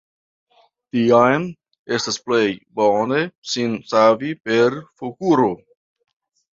Tiam estas plej bone sin savi per forkuro.